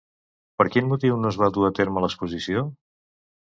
Per quin motiu no es va dur a terme l'exposició?